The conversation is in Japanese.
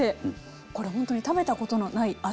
これほんとに食べたことのない味わい。